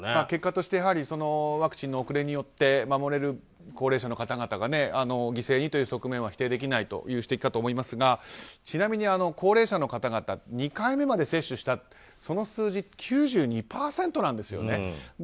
結果としてワクチンの遅れによって守れる高齢者の方々が犠牲にという側面は否定できないという指摘かと思いますがちなみに高齢者の方々２回目まで接種した方その数字、９２％なんですよね。